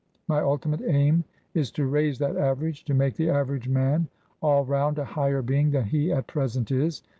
My ultimate aim is to raise that average — to make the average man all round a higher being than he at present is.